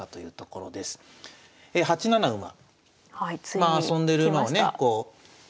まあ遊んでる馬をねこう。